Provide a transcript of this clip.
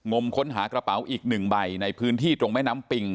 งมค้นหากระเป๋าอีกหนึ่งใบในพื้นที่ตรงแม่น้ำปิง